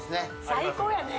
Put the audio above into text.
最高やね